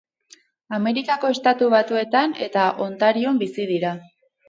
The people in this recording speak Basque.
Ameriketako Estatu Batuetan eta Ontarion bizi dira.